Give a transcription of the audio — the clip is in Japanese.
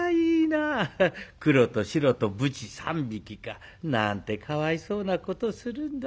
黒と白とぶち３匹か。なんてかわいそうなことするんだ。